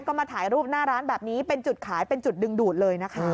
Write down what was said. ก็มาถ่ายรูปหน้าร้านแบบนี้เป็นจุดขายเป็นจุดดึงดูดเลยนะคะ